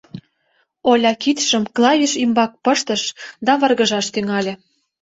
Оля кидшым клавиш ӱмбак пыштыш да варгыжаш тӱҥале.